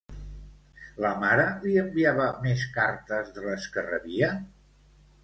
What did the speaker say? La mare li enviava més cartes de les que rebia?